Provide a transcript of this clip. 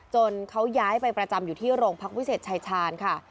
เขาย้ายไปประจำอยู่ที่โรงพักวิเศษชายชาญค่ะ